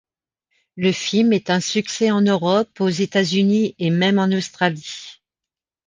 Le film est un succès en Europe, aux États-Unis et même en Australie.